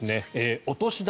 お年玉